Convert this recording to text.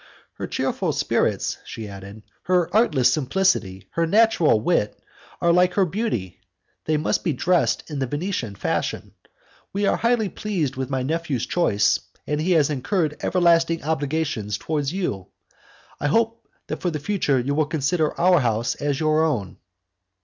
"Her cheerful spirits," she added, "her artless simplicity, her natural wit, are like her beauty, they must be dressed in the Venetian fashion. We are highly pleased with my nephew's choice, and he has incurred everlasting obligations towards you. I hope that for the future you will consider our house as your own."